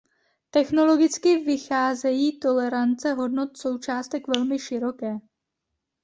Technologicky vycházejí tolerance hodnot součástek velmi široké.